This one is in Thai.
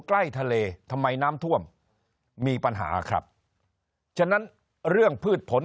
ใกล้ทะเลทำไมน้ำท่วมมีปัญหาครับฉะนั้นเรื่องพืชผล